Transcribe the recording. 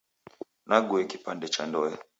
Nague kipande cha ndoe.